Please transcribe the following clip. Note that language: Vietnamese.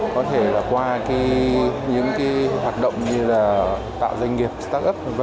có thể là qua những hoạt động như là tạo doanh nghiệp start up v v